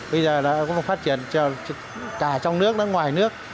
bây giờ nó cũng phát triển cả trong nước nó ngoài nước